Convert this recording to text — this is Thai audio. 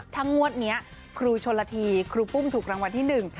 ถ้างวดนี้ครูชนละทีครูปุ้มถูกรางวัลที่หนึ่ง